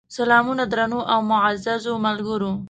سلامونه درنو او معزز ملګرو!